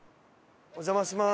お邪魔します。